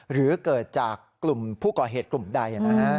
หรือเกิดจากกลุ่มผู้ก่อเหตุกลุ่มใด